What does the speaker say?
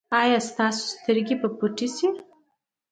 ایا ستاسو سترګې به پټې شي؟